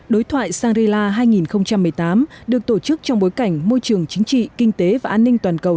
đối thoại shangri la hai nghìn một mươi tám được tổ chức trong bối cảnh môi trường chính trị kinh tế và an ninh toàn cầu